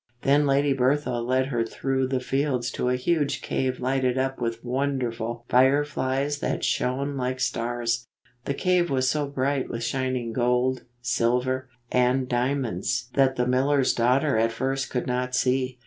Then Lady Bertha led her through the fields to a huge cave lighted up with wonderful fire flies that shone like stars. The cave was so bright with shining gold, silver, and diamonds 22 that the miller's daughter at first could not see.